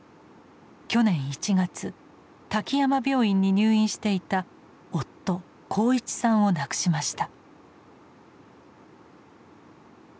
去年１月滝山病院に入院していた夫鋼一さんを亡くしました。